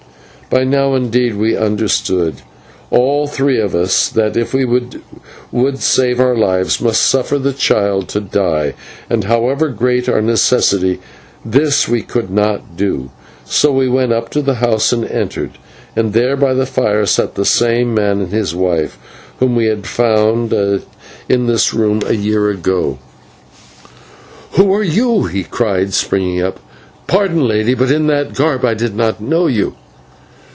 By now, indeed, we understood all three of us that if we would save ourselves we must suffer the child to die, and, however great our necessity, this we could not do. So we went up to the house and entered, and there by the fire sat that same man and his wife whom we had found in this room a year ago. "Who are you?" he cried, springing up. "Pardon, Lady, but in that garb I did not know you."